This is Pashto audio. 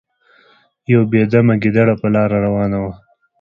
یو بې دمه ګیدړه په لاره روانه وه.